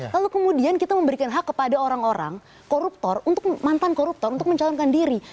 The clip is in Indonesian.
lalu kemudian kita memberikan hak kepada orang orang koruptor untuk mantan koruptor untuk mencalonkan diri